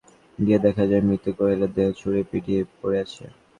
গতকাল সকালে জাবেদের খামারে গিয়ে দেখা যায়, মৃত কোয়েলের দেহ ছড়িয়ে-ছিটিয়ে পড়ে আছে।